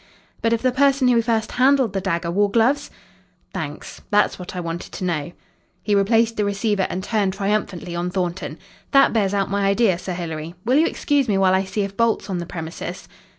But if the person who first handled the dagger wore gloves? Thanks. That's what I wanted to know." He replaced the receiver and turned triumphantly on Thornton. "That bears out my idea, Sir Hilary. Will you excuse me while I see if Bolt's on the premises?"